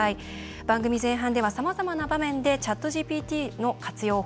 番組前半では、さまざまな場面のＣｈａｔＧＰＴの活用法。